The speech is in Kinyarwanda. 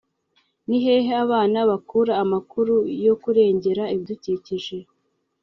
ni hehe abana bakura amakuru yo kurengera ibidukikije?